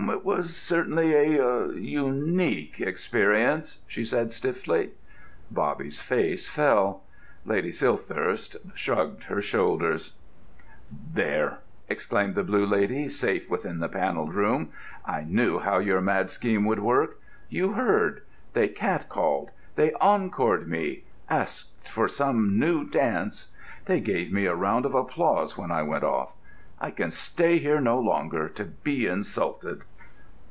"It was certainly a unique experience," she said stiffly. Bobby's face fell. Lady Silthirsk shrugged her shoulders. "There!" exclaimed the Blue Lady, safe within the Panelled Room, "I knew how your mad scheme would work. You heard: they catcalled, they encored me, asked for some new dance. They gave me a round of applause when I went off. I can stay here no longer, to be insulted."